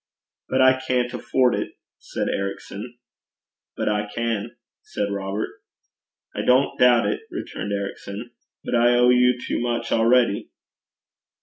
'But I can't afford it,' said Ericson. 'But I can,' said Robert. 'I don't doubt it,' returned Ericson. 'But I owe you too much already.'